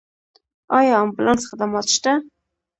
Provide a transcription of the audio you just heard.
آیا امبولانس خدمات شته؟